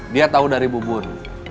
dia tahu dari bu bun